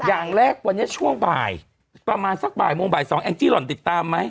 อย่างแรกวันนี้ช่วงบ่ายประมาณสักบ่ายโมงบ่าย๒แองจี้หล่อนติดตามไหม